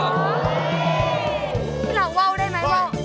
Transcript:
พี่หน่าเว้าได้ไหม